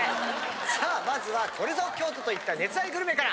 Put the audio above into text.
さあまずはこれぞ京都といった熱愛グルメから。